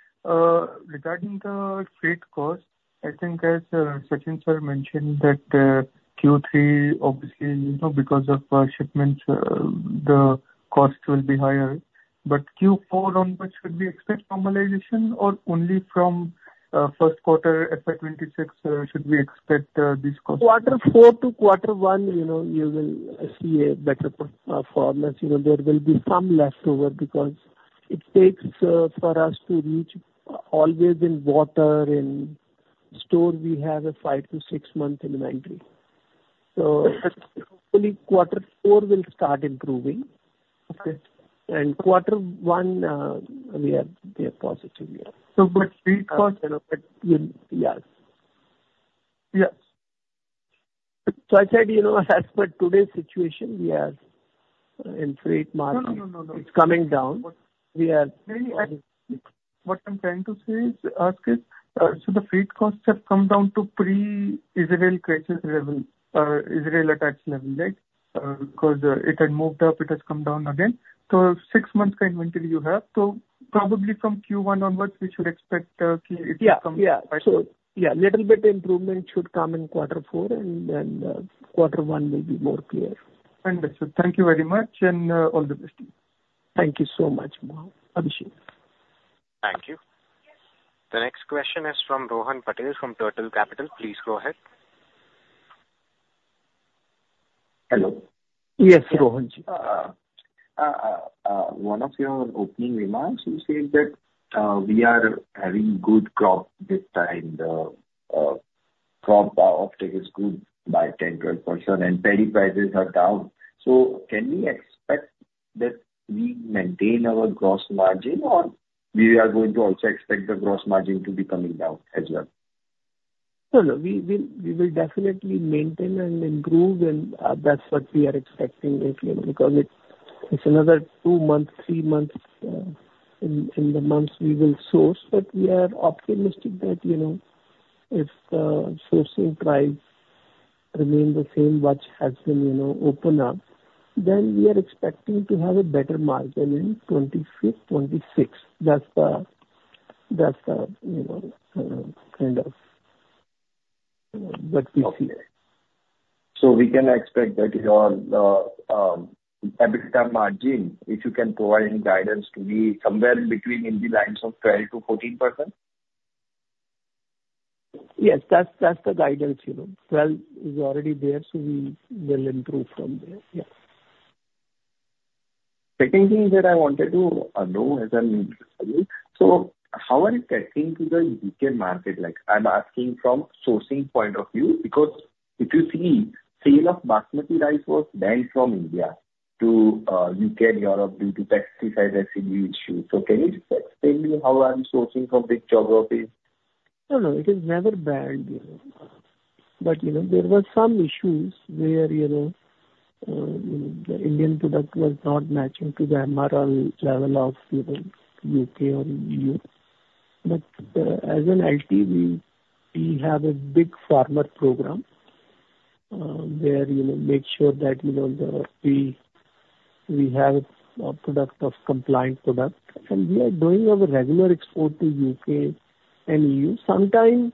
regarding the freight cost, I think as Sachin Sir mentioned that Q3 obviously, you know, because of shipments, the cost will be higher, but Q4 on what should we expect normalization or only from first quarter FY 2026, should we expect this cost? Quarter four to quarter one, you know, you will see a better performance. You know, there will be some leftover because it takes for us to reach always in water. In store, we have a five- to six-month inventory. So hopefully quarter four will start improving. Okay. Quarter one, we are positive, yeah. So but freight cost- You know, but we... Yes. Yes. So I said, you know, as per today's situation, we are in freight market. No, no, no, no. It's coming down. But we are- What I'm trying to say is as is, so the freight costs have come down to pre-Israel crisis level, Israel attacks level, right? Because, it had moved up, it has come down again. So six months of inventory you have, so probably from Q1 onwards, we should expect, Q4 to come- Yeah, yeah. So, yeah, little bit improvement should come in quarter four, and then quarter one may be more clear. Understood. Thank you very much, and, all the best to you. Thank you so much, Abhishek. Thank you. The next question is from Rohan Patel, from Turtle Capital. Please go ahead. Hello. Yes, Rohan Ji. One of your opening remarks, you said that we are having good crop this time. The crop outlook is good by 10-12%, and paddy prices are down. So can we expect that we maintain our gross margin, or we are going to also expect the gross margin to be coming down as well? No, no, we will definitely maintain and improve, and that's what we are expecting this year, because it's another two months, three months in the months we will source. But we are optimistic that, you know, if the sourcing price remain the same, which has been, you know, open up, then we are expecting to have a better margin in twenty-five, twenty-six. That's the, you know, kind of what we see. So we can expect that your EBITDA margin, if you can provide any guidance to be somewhere in between in the lines of 12% to 14%? Yes, that's the guidance, you know. Twelve is already there, so we will improve from there. Yeah. Second thing that I wanted to know as an investor, so how are you testing to the U.K. market? Like, I'm asking from sourcing point of view, because if you see, sale of Basmati rice was banned from India to U.K., Europe due to pesticide residue issue. So can you just explain me how are you sourcing from this geography? No, no, it is never banned, you know. But, you know, there were some issues where, you know, the Indian product was not matching to the MRL level of, you know, U.K. or E.U. But, as an LT, we, we have a big farmer program, where, you know, make sure that, you know, the, we, we have a product of compliant product, and we are doing our regular export to U.K. and E.U. Sometimes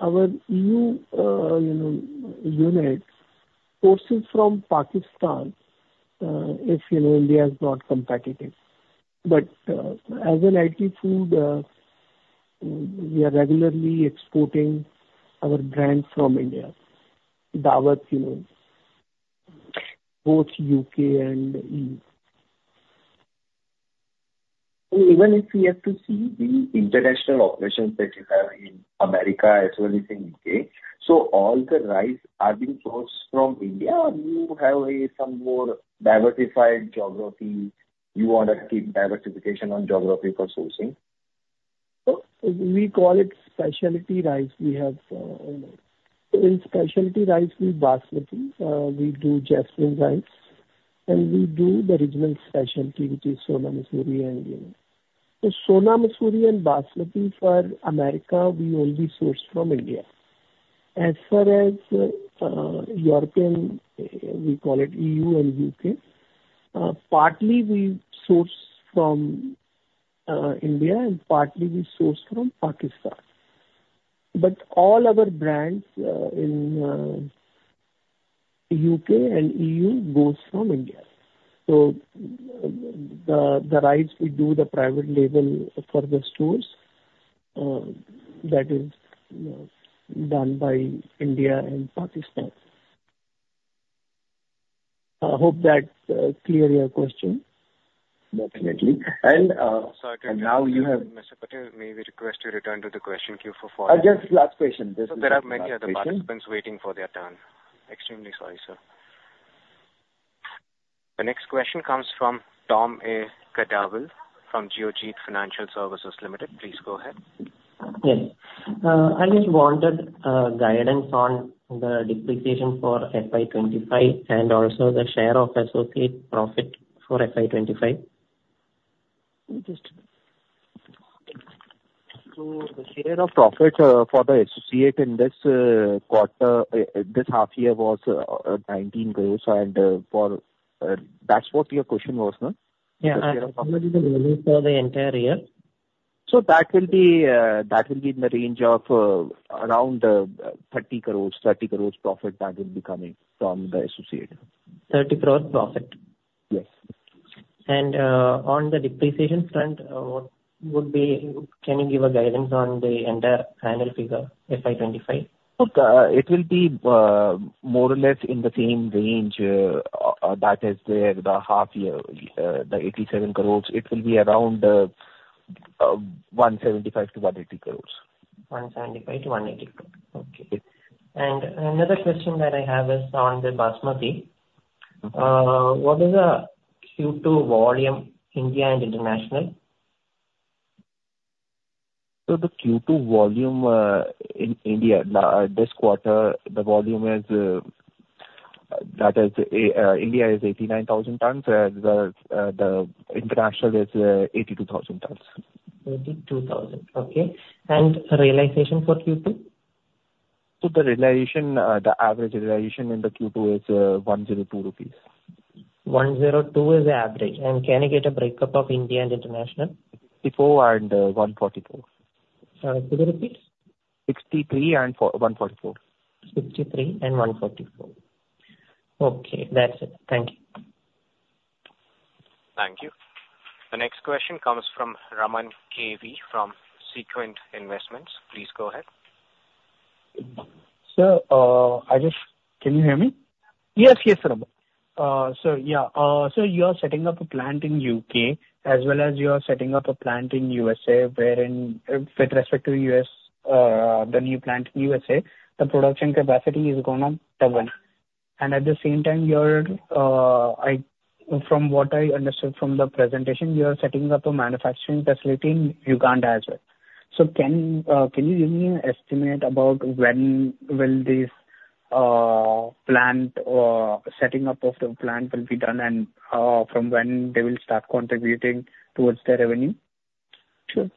our E.U., you know, units, source from Pakistan, if, you know, India is not competitive. But, as an LT Foods, we are regularly exporting our brand from India, Daawat, you know, both U.K. and E.U. Even if we have to see the international operations that you have in America as well as in U.K., so all the rice are being sourced from India, or you have some more diversified geography, you want to keep diversification on geography for sourcing? We call it specialty rice. We have... In specialty rice, we basmati, we do jasmine rice, and we do the original specialty, which is Sona Masoori and Indian. The Sona Masoori and basmati for America, we only source from India. As far as Europe, we call it EU and UK, partly we source from India and partly we source from Pakistan. But all other brands in UK and EU goes from India. So the rice we do the private label for the stores, that is done by India and Pakistan. I hope that clear your question. Definitely. And now you have- Sorry, Mr. Patel, may we request you return to the question queue for follow-up? Just last question. There are many other participants waiting for their turn. Extremely sorry, sir. The next question comes from Tom A. Kadavil from Geojit Financial Services Limited. Please go ahead. Yes. I just wanted guidance on the depreciation for FY twenty-five and also the share of associate profit for FY twenty-five. So the share of profit for the associate in this quarter, this half year was 19 crores. And for... That's what your question was, no? Yeah, I for the entire year. That will be in the range of around 30 crores profit that will be coming from the associate. 30 crore profit? Yes. On the depreciation front, what would be... Can you give a guidance on the entire annual figure, FY 2025? Look, it will be more or less in the same range that is there, the half year, the 87 crores. It will be around 175 to 180 crores. 175 crore-180 crore. Okay. Yes. Another question that I have is on the Basmati. What is the Q2 volume, India and international? So the Q2 volume in India this quarter, the volume is, that is, India is eighty-nine thousand tons, and the international is eighty-two thousand tons. 82,000. Okay, and realization for Q2? The realization, the average realization in the Q2 is 102 rupees. 102 is the average, and can I get a breakdown of India and international? Sixty-four and one forty-four. Could you repeat? Sixty-three and four, one forty-four. 63 and 144. Okay, that's it. Thank you. Thank you. The next question comes from Raman KV from Sequent Investments. Please go ahead. Sir, I just... Can you hear me? Yes, yes, Raman. So yeah. So you are setting up a plant in UK as well as you are setting up a plant in USA, wherein, with respect to US, the new plant in USA, the production capacity is gonna double. And at the same time, you're, From what I understood from the presentation, you are setting up a manufacturing facility in Uganda as well. So can you give me an estimate about when will this plant or setting up of the plant will be done, and from when they will start contributing towards the revenue? Sure.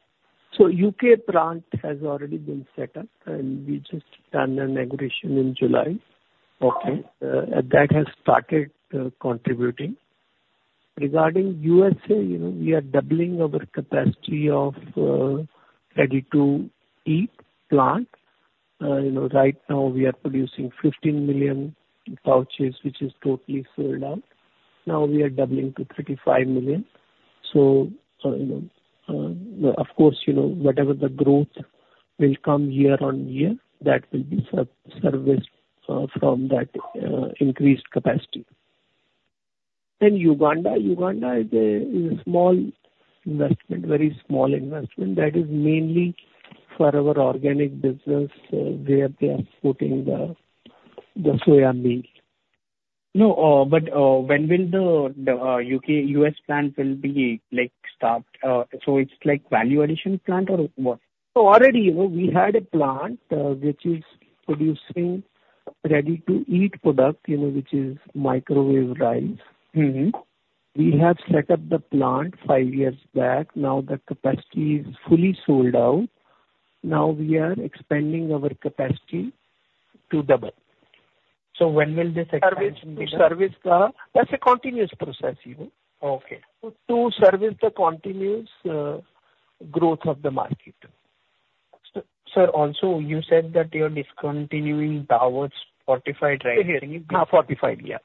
So U.K. plant has already been set up, and we just done an inauguration in July. Okay. And that has started contributing. Regarding USA, you know, we are doubling our capacity of ready-to-eat plant. You know, right now we are producing 15 million pouches, which is totally sold out. Now we are doubling to 35 million. So, you know, of course, you know, whatever the growth will come year-on-year, that will be serviced from that increased capacity. Then Uganda is a small investment, very small investment that is mainly for our organic business, where they are putting the soybeans. No, but, when will the U.K., U.S. plant will be, like, start? So it's like value addition plant or what? Already, you know, we had a plant, which is producing ready-to-eat product, you know, which is microwave rice. Mm-hmm. We have set up the plant five years back. Now, the capacity is fully sold out. Now we are expanding our capacity to double. So when will this expansion be? Service the service, that's a continuous process, you know? Okay. To service the continuous growth of the market. Sir, also, you said that you're discontinuing the Daawat fortified rice? Ah, fortified, yeah.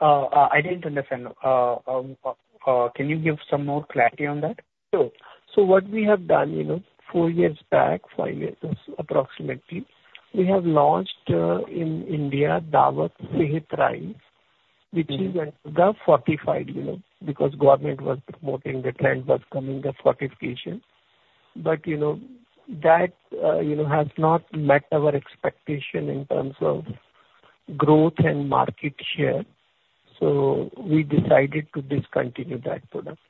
I didn't understand. Can you give some more clarity on that? Sure. So what we have done, you know, four years back, five years, approximately, we have launched in India, Daawat Jasmine Rice- Mm-hmm. which is the fortified, you know, because government was promoting, the trend was coming, the fortification. But, you know, that, you know, has not met our expectation in terms of growth and market share, so we decided to discontinue that product.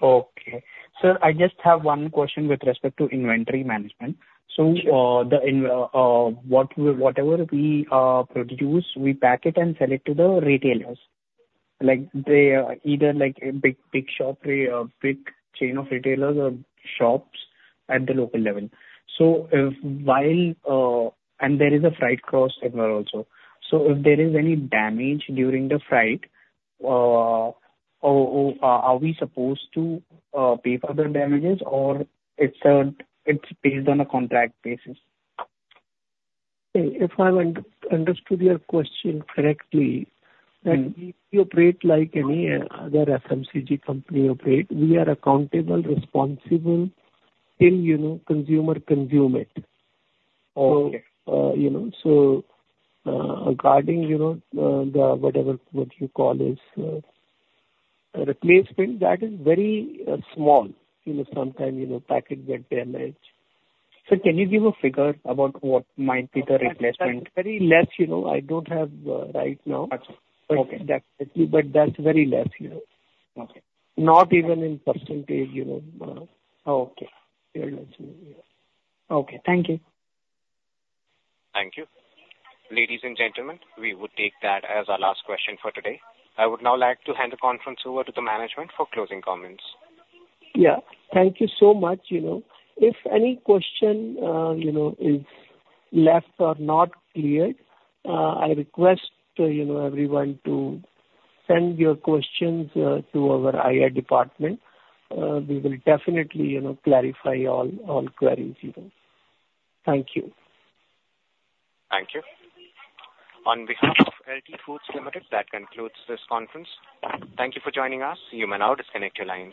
Okay. Sir, I just have one question with respect to inventory management. Sure. Whatever we produce, we pack it and sell it to the retailers. Like, they either like a big shop, a big chain of retailers or shops at the local level, and there is a freight cost in there also. If there is any damage during the freight, are we supposed to pay for the damages, or it's based on a contract basis? If I understood your question correctly. Mm. Then we operate like any other FMCG company operate. We are accountable, responsible till, you know, consumer consume it. Okay. You know, so, regarding, you know, the whatever what you call is replacement, that is very small. You know, sometimes, you know, package get damaged. Sir, can you give a figure about what might be the replacement? That's very less, you know. I don't have right now. Okay. But that's very less, you know. Okay. Not even in percentage, you know. Okay. Very less, yeah. Okay, thank you. Thank you. Ladies and gentlemen, we would take that as our last question for today. I would now like to hand the conference over to the management for closing comments. Yeah. Thank you so much, you know. If any question, you know, is left or not clear, I request, you know, everyone to send your questions to our IR department. We will definitely, you know, clarify all queries, you know. Thank you. Thank you. On behalf of LT Foods Limited, that concludes this conference. Thank you for joining us. You may now disconnect your lines.